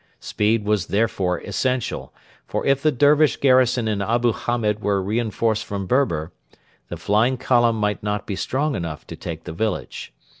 Speed was therefore essential; for if the Dervish garrison in Abu Hamed were reinforced from Berber, the flying column might not be strong enough to take the village.